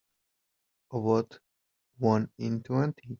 About one in twenty.